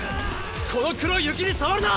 この黒い雪に触るな！